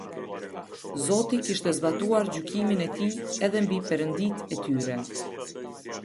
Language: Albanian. Zoti kishte zbatuar gjykimin e tij edhe mbi perënditë e tyre.